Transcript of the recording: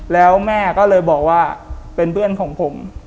แล้วแม่ก็เลยบอกว่าเป็นเพื่อนของผม